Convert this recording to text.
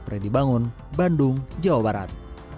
fredy bangun bandung jawa barat